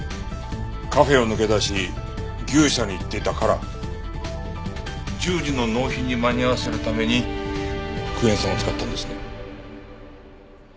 カフェを抜け出し牛舎に行っていたから１０時の納品に間に合わせるためにクエン酸を使ったんですね？